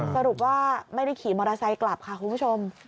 สรุปว่าไม่ได้ขี่มอเตอร์ไซค์กลับค่ะคุณผู้ชม